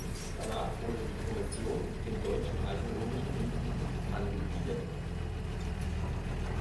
Danach wurde die Kommission dem Deutschen Archäologischen Institut angegliedert.